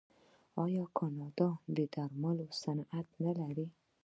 آیا کاناډا د درملو صنعت نلري؟